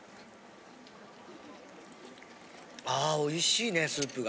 ああおいしいねスープが。